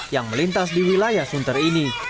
yang melintas di wilayah sunter ini